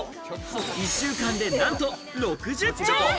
１週間でなんと６０丁。